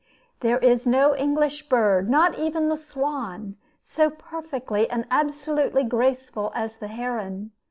There is no English bird, not even the swan, so perfectly and absolutely graceful as the heron.